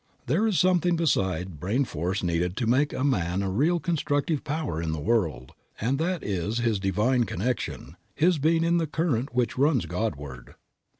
There is something beside brain force needed to make a man a real constructive power in the world, and that is his divine connection, his being in the current which runs Godward.